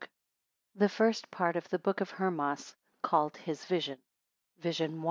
Amen. THE FIRST PART OF THE BOOK OF HERMAS CALLED HIS VISION. VISION I.